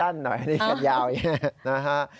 ตั้นหน่อยนี่กันยาวอย่างนี้นะฮะ